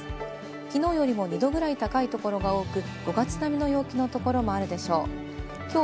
昨日よりも２度ぐらい高い所が多く、５月並みの陽気のところもあるでしょう。